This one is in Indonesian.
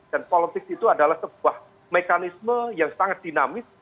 dan politics itu adalah sebuah mekanisme yang sangat dinamis